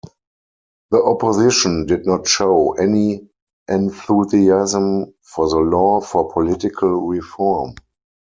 The opposition did not show any enthusiasm for the Law for Political Reform.